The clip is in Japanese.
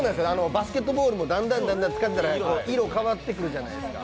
バスケットボールもだんだん色変わってくるじゃないですか。